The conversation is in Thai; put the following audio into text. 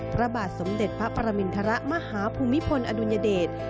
พระบาทสมเด็จพระปรมินทรมาฮภูมิพลอดุญเดช